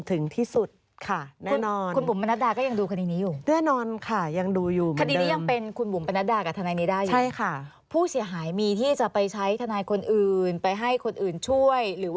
อืมธนายก็เหนื่อย